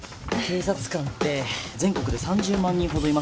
警察官って全国で３０万人ほどいますよね。